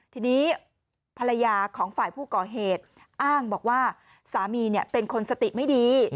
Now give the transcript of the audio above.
ทีนี้ภรรยาของฝ่ายผู้ก่อเหตุอ้างบอกว่าสามีเป็นคนสติไม่ดี